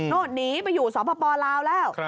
โน่นหนีไปอยู่สวพปลาวแล้ว